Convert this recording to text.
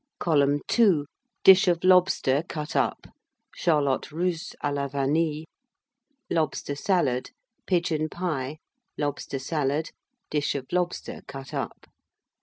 [Column 2] Dish of Lobster, cut up. Charlotte Russe à la Vanille. Lobster Salad Pigeon Pie. Lobster Salad. Dish of Lobster, cut up.